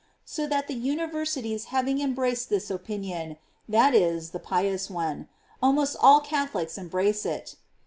.so that the universities having embraced this opinion (that is, the pious one), almost all Catholics embrace it."